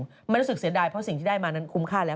มันรู้สึกเสียดายเพราะสิ่งที่ได้มานั้นคุ้มค่าแล้ว